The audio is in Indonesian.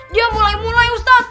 dia mulai mulai ustad